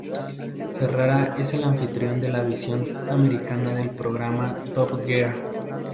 Ferrara es el anfitrión de la versión americana del programa Top Gear.